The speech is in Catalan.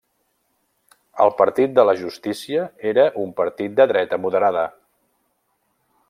El Partit de la Justícia era un partit de dreta moderada.